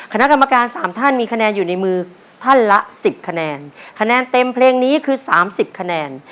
คณะกรรมการสามท่านมีคะแนนอยู่ในมือท่านละ๑๐คะแนนคะแนนเต็มเพลงนี้คือ๓๐คะแนน